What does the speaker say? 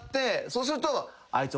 そうすると。